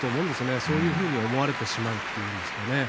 そういうふうに思われてしまうんですよね。